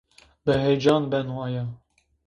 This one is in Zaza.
Bi heyecan beno aya